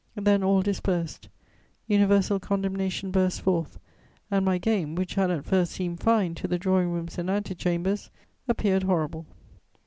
Then all dispersed; universal condemnation burst forth, and my game, which had at first seemed fine to the drawing rooms and ante chambers, appeared horrible.